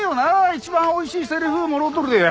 一番おいしいセリフもろうとるでや。